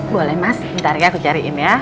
boleh mas ntar ya aku cariin ya